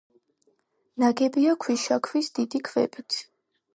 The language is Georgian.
ნაგებია ქვიშაქვის დიდი ქვებით.